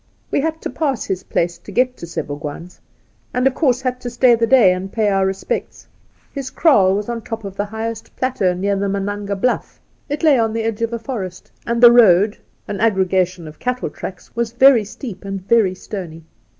We had to pass his place to get to Seboug^aan's, and, of course, had . to stay the day and pay our respects. His kraal was on top of the highest plateau, near the Mananga Bluff. It lay on the edge of a forest, and the road:^an aggregation of cattle tracks — was very steep and very stony.